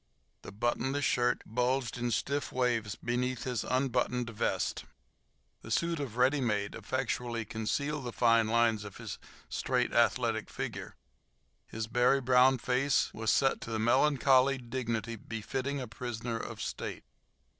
The buttonless shirt bulged in stiff waves beneath his unbuttoned vest. The suit of "ready made" effectually concealed the fine lines of his straight, athletic figure. His berry brown face was set to the melancholy dignity befitting a prisoner of state.